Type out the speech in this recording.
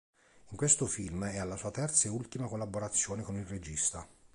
In questo film è alla sua terza e ultima collaborazione con il regista.